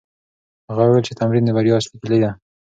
هغه وویل چې تمرين د بریا اصلي کیلي ده.